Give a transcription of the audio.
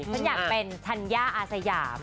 ฉันอยากเป็นธัญญาอาสยาม